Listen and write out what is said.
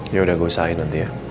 ya udah gue usahain nanti ya